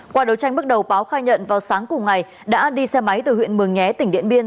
qua đấu tranh bước đầu báo khai nhận vào sáng cùng ngày đã đi xe máy từ huyện mường nhé tỉnh điện biên